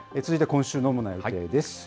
続いて今週の主な予定です。